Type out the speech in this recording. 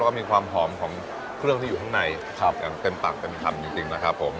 แล้วก็มีความหอมของเครื่องที่อยู่ข้างในอย่างเต็มปากเต็มคำจริงนะครับผม